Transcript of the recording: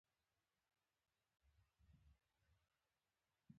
په پاتې څپرکو کې به پراخ بحثونه وکړو.